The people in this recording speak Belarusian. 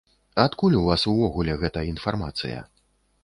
Адкуль у вас увогуле гэта інфармацыя?